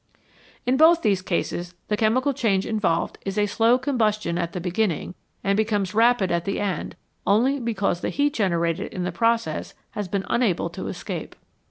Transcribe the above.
In both these cases the chemical change involved is a slow combustion at the beginning, and becomes rapid at the end only because the heat generated in the pro cess has been unable to escape.